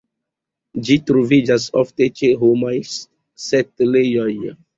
Ĝi troviĝas ofte ĉe homaj setlejoj.